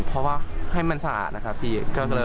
เพราะว่าให้มันสะอาดนะครับพี่